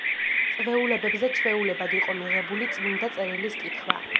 წვეულებებზე ჩვეულებად იყო მიღებული წმიდა წერილის კითხვა.